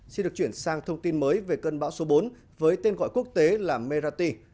xin được chuyển sang thông tin mới về cơn bão số bốn với tên gọi quốc tế là merrati